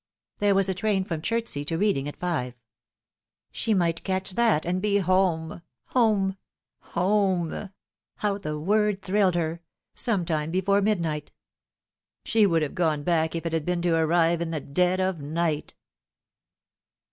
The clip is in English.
There was a train from Chertsey to Reading at five. She might catch that and be home home home how the word thrilied her ! some time before midnight. She would have gone back if it bad bean to arriT in the dead of night.